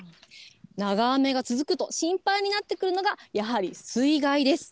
長雨が続くと心配になってくるのが、やはり水害です。